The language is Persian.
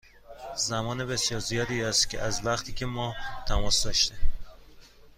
زمان بسیار زیادی است از وقتی که ما تماس داشتیم.